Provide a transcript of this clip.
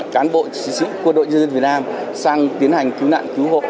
cán bộ chiến sĩ quân đội nhân dân việt nam sang tiến hành cứu nạn cứu hộ